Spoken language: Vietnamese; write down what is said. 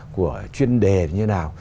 của chuyên đề như thế nào